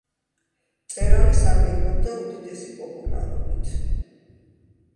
მწერალი სარგებლობდა უდიდესი პოპულარობით.